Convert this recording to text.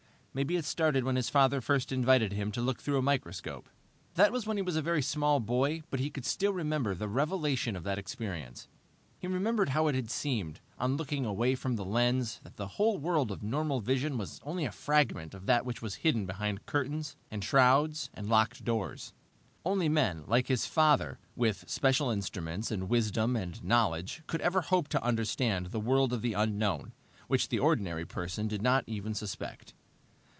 Maybe it started when his father first invited him to look through a microscope. That was when he was a very small boy, but he could still remember the revelation of that experience. He remembered how it had seemed, on looking away from the lens, that the whole world of normal vision was only a fragment of that which was hidden behind curtains and shrouds and locked doors. Only men, like his father, with special instruments and wisdom and knowledge, could ever hope to understand the world of the unknown, which the ordinary person did not even suspect.